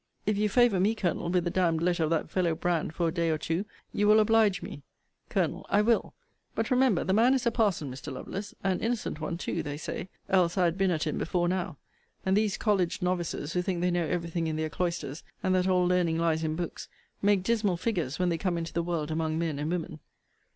If you favour me, Colonel, with the d d letter of that fellow Brand for a day or two, you will oblige me. Col. I will. But remember, the man is a parson, Mr. Lovelace; an innocent one too, they say. Else I had been at him before now. And these college novices, who think they know every thing in their cloisters, and that all learning lies in books, make dismal figures when they come into the world among men and women.